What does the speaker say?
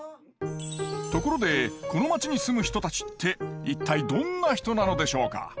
ところでこの町に住む人たちって一体どんな人なのでしょうか？